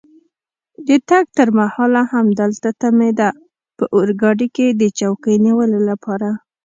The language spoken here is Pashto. د تګ تر مهاله همدلته تمېده، په اورګاډي کې د چوکۍ نیولو لپاره.